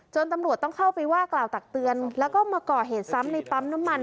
ตำรวจต้องเข้าไปว่ากล่าวตักเตือนแล้วก็มาก่อเหตุซ้ำในปั๊มน้ำมัน